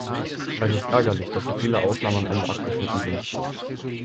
Es ist ärgerlich, dass so viele Aufnahmen am Ende abgeschnitten sind.